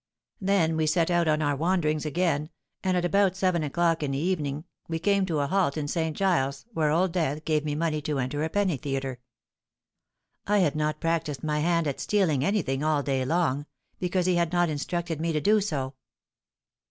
Then we set out on our wanderings again, and at about seven o'clock in the evening, we came to a halt in St. Giles's, where Old Death gave me money to enter a penny theatre. I had not practised my hand at stealing any thing all day long; because he had not instructed me to do so.